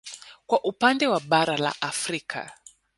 Kwa upande wa bara la Afrika